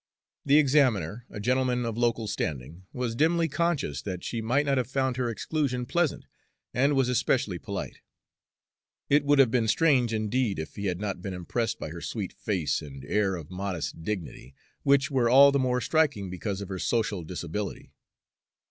The examiner, a gentleman of local standing, was dimly conscious that she might not have found her exclusion pleasant, and was especially polite. It would have been strange, indeed, if he had not been impressed by her sweet face and air of modest dignity, which were all the more striking because of her social disability.